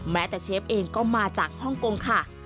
แม้แต่เชฟเองก็มาจากฮ่องกงค่ะ